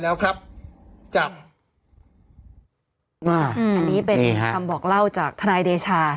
แล้วครับจากอันนี้เป็นคำบอกเล่าจากทนายเดชา